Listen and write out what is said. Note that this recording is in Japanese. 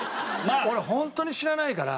俺ホントに知らないから。